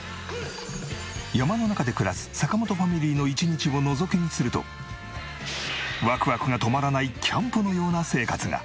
山の中で暮らす坂本ファミリーの１日をのぞき見するとワクワクが止まらないキャンプのような生活が。